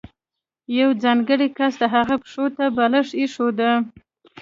یو ځانګړی کس د هغه پښو ته بالښت ایښوده.